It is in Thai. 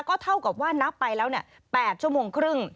ก็เท่ากับว่านับไปแล้ว๘ชั่วโมงครึ่ง